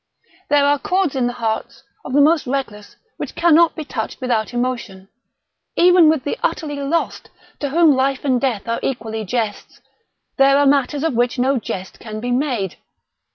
There are chords in the hearts of the most reckless which cannot be touched without emotion. Even with the utterly lost, to whom life and death are equally jests, there are matters of which no jest can be made.